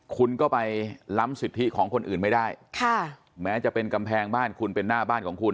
คุณก็ไปล้ำสิทธิของคนอื่นไม่ได้ค่ะแม้จะเป็นกำแพงบ้านคุณเป็นหน้าบ้านของคุณ